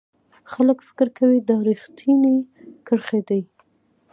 خلک فکر کوي دا ریښتینې کرښې دي.